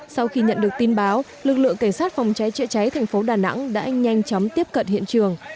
sau khi nhận được tin báo lực lượng cảnh sát phòng cháy chữa cháy thành phố đà nẵng đã nhanh chóng tiếp cận hiện trường